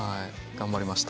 頑張りました？